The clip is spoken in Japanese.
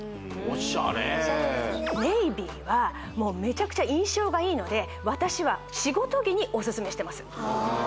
オシャレネイビーはめちゃくちゃ印象がいいので私は仕事着にオススメしてます